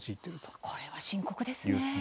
これは深刻ですね。